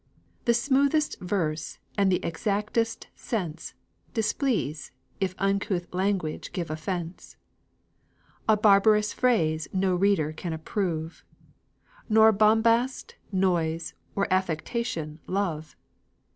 The smoothest verse and the exactest sense Displease if uncouth language give offense; A barbarous phrase no reader can approve; Nor bombast, noise, or affectation love.